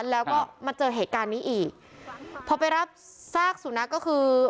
แล้วก็มาเจอเหตุการณ์นี้อีกพอไปรับซากสุนัขก็คือ